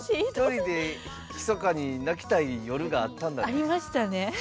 ひとりでひそかに泣きたい夜があったんだね。